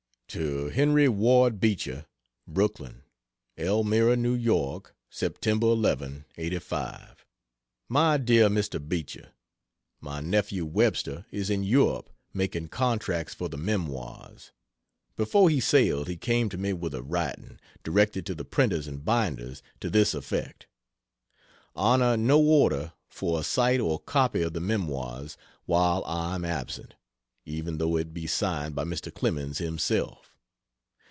To Henry Ward Beecher, Brooklyn: ELMIRA, N. Y. Sept. 11, '85. MY DEAR MR. BEECHER, My nephew Webster is in Europe making contracts for the Memoirs. Before he sailed he came to me with a writing, directed to the printers and binders, to this effect: "Honor no order for a sight or copy of the Memoirs while I am absent, even though it be signed by Mr. Clemens himself."